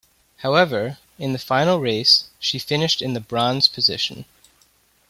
However, in the final race she finished in the bronze position.